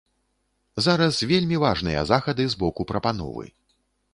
Зараз вельмі важныя захады з боку прапановы.